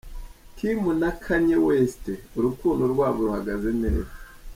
Kim na Kanye West urukundo rwabo ruhagaze neza.